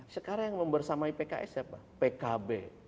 sekarang yang membersamai pks siapa pkb